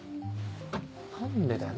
何でだよ？